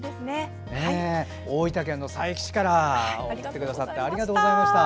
大分県の佐伯市から送ってくださってありがとうございました。